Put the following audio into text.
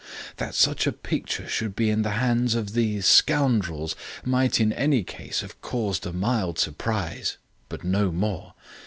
That such a picture should be in the hands of these scoundrels might in any case have caused a mild surprise; but no more.